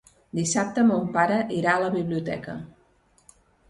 Dissabte mon pare irà a la biblioteca.